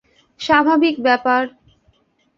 স্বাভাবিক ব্যাপার।